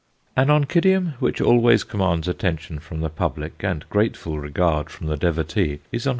An Oncidium which always commands attention from the public and grateful regard from the devotee is _Onc.